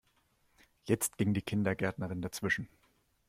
Jetzt ging die Kindergärtnerin dazwischen.